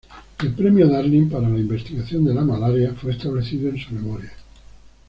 El Premio Darling para la investigación de la malaria fue establecido en su memoria.